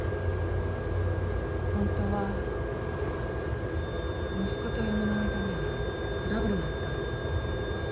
本当は息子と嫁の間にはトラブルがあったの。